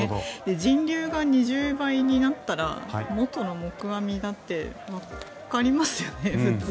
人流が２０倍になったら元の木阿弥だってわかりますよね、普通。